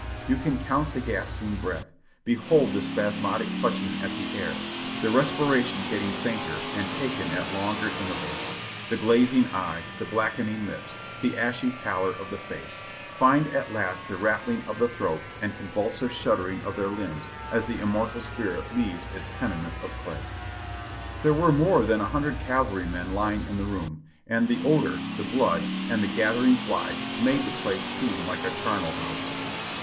You can count the gasp ing breath, behold the spasmodic clutching at the air, the respira tion getting fainter and taken at longer intervals, the glazing eye, the blackening lips, the ashy pallor of the face, and at last the rattling of the throat and convulsive shuddering of tiieir limbs as the immortal spirit leaves its tenement of clay. There were more than a hundred cavalrymen lying in the room, and the odor, the blood and the gathering flies made the place seem like a charnel house.